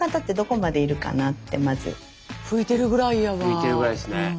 拭いてるぐらいですね。